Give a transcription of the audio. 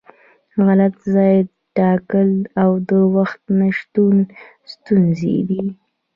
غلط ځای ټاکل او د وخت نشتون ستونزې دي.